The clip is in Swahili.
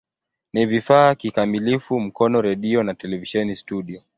Ni vifaa kikamilifu Mkono redio na televisheni studio.